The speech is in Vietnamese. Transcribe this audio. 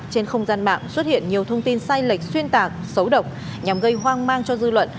trên không gian mạng xuất hiện nhiều thông tin sai lệch xuyên tạc xấu độc nhằm gây hoang mang cho dư luận